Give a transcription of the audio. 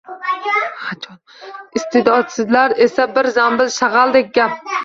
Iste’dodsizlar esa bir zambil shag’aldek gap.